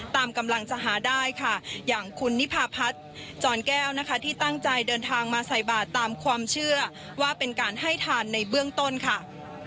กำลังจะหาได้ค่ะอย่างคุณนิพาพัฒน์จอนแก้วนะคะที่ตั้งใจเดินทางมาใส่บาทตามความเชื่อว่าเป็นการให้ทานในเบื้องต้นค่ะ